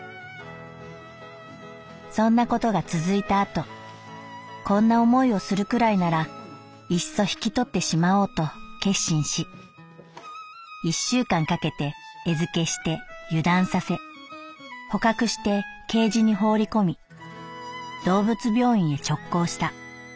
「そんなことが続いた後こんな思いをするくらいならいっそ引き取ってしまおうと決心し一週間かけて餌付けして油断させ捕獲してケージに放り込み動物病院へ直行した」。